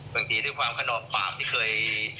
บางทีด้วยความขนอดปากที่เคย